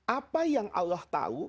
apa yang allah tau